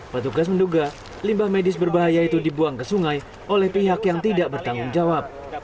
petugas menduga limbah medis berbahaya itu dibuang ke sungai oleh pihak yang tidak bertanggung jawab